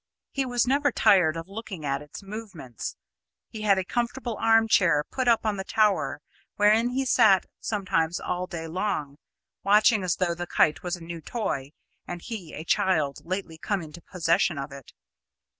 He was never tired of looking at its movements. He had a comfortable armchair put out on the tower, wherein he sat sometimes all day long, watching as though the kite was a new toy and he a child lately come into possession of it.